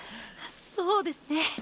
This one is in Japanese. そうですね。